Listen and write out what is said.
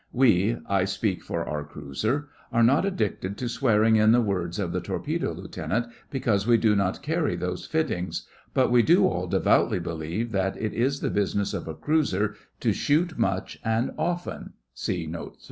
We (I speak for our cruiser) are not addicted to swear in the words of the torpedo Lieutenant because we do not carry those fittings; but we do all devoutly believe that it is the business of a cruiser to shoot much and often (see Note III).